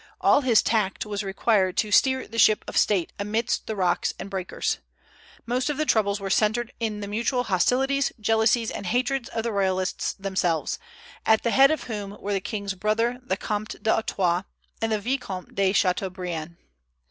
All his tact was required to steer the ship of state amidst the rocks and breakers. Most of the troubles were centred in the mutual hostilities, jealousies, and hatreds of the Royalists themselves, at the head of whom were the king's brother the Comte d'Artois, and the Vicomte de Chateaubriand.